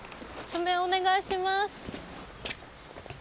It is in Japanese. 署名お願いします。